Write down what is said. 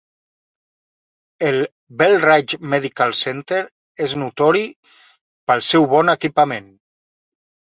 El Belridge Medical Centre és notori pel seu bon equipament.